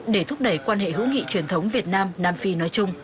để thúc đẩy quan hệ hữu nghị truyền thống việt nam nam phi nói chung